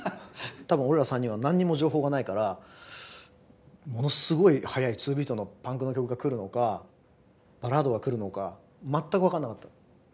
多分俺ら３人は何にも情報がないからものすごい速いツービートのパンクの曲が来るのかバラードが来るのか全く分かんなかった。